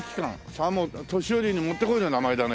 さも年寄りにもってこいの名前だね